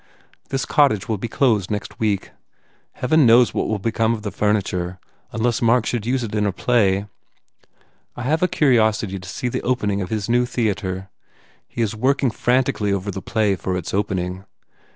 This cottage will be closed next week. Heaven knows what will become of the furniture unless Mark should use it in a play. I have a curiosity 2IO COSMO RAND to see the opening of his new theatre. He is working frantically over the play for its opening.